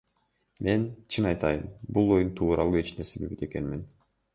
Мен, чын айтайын, бул оюн тууралуу эч нерсе билбейт экенмин.